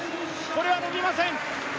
これはのびません